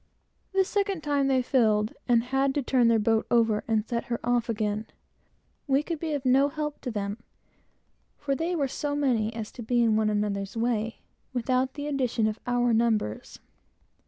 The second time, they filled, and had to turn their boat over, and set her off again. We could be of no help to them, for they were so many as to be in one another's way, without the addition of our numbers.